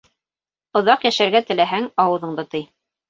Оҙаҡ йәшәргә теләһәң, ауыҙыңды тый.